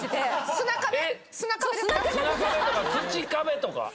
砂壁とか土壁とか？